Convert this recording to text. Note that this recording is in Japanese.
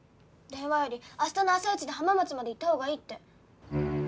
電話より明日の朝イチで浜松まで行ったほうがいいって。